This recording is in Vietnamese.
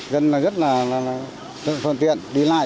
dân rất là phân tiện đi lại